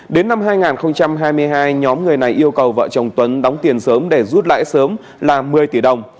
đến năm hai nghìn hai mươi hai nhóm người này yêu cầu vợ chồng tuấn đóng tiền sớm để rút lãi sớm là một mươi tỷ đồng